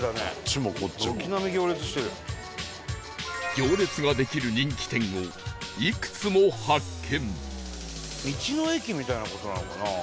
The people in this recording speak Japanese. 行列ができる人気店をいくつも発見！